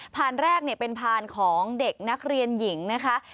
พานแรกเป็นพานของเด็กนักเรียนหญิงนะคะ